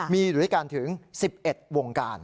มีด้วยการถึง๑๑วงการ